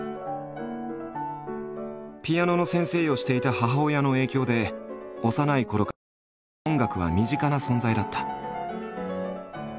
ピアノの先生をしていた母親の影響で幼いころから音楽は身近な存在だった。